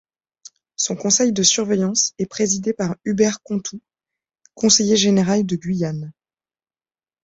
Son conseil de surveillance est présidé par Hubert Contout, conseiller général de Guyane.